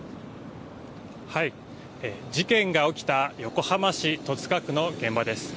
事件が起きた横浜市戸塚区の現場です。